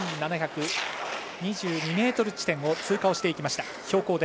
標高１７２２ｍ地点を通過していきました。